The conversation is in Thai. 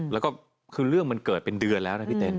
แล้วก็คือเรื่องมันเกิดเป็นเดือนแล้วนะพี่เต้น